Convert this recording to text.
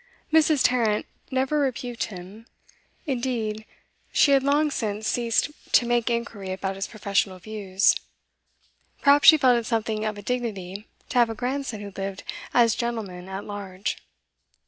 Mrs. Tarrant never rebuked him; indeed she had long since ceased to make inquiry about his professional views. Perhaps she felt it something of a dignity to have a grandson who lived as gentleman at large.